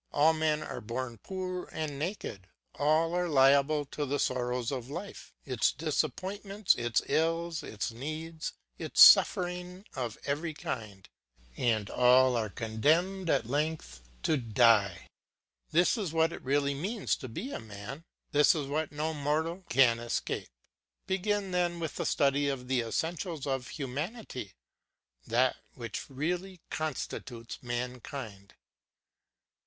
All men are born poor and naked, all are liable to the sorrows of life, its disappointments, its ills, its needs, its suffering of every kind; and all are condemned at length to die. This is what it really means to be a man, this is what no mortal can escape. Begin then with the study of the essentials of humanity, that which really constitutes mankind.